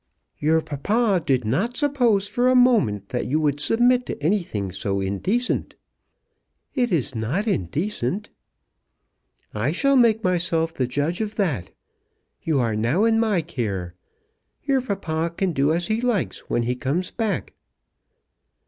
"Your papa did not suppose for a moment that you would submit to anything so indecent." "It is not indecent." "I shall make myself the judge of that. You are now in my care. Your papa can do as he likes when he comes back."